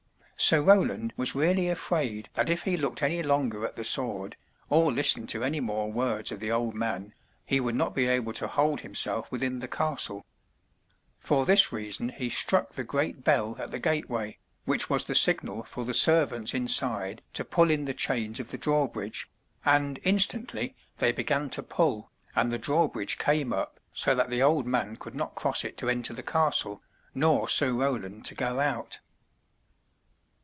Sir Roland was really afraid that if he looked any longer at the sword, or listened to any more words of the old man, he would not be able to hold himself within the castle. For this reason he struck the great bell at the gateway, which was the signal for the servants inside to pull in the chains of the drawbridge, and instantly they 209 M Y BOOK HOUSE began to pull, and the drawbridge came up, so that the old man could not cross it to enter the castle, nor Sir Roland to go out.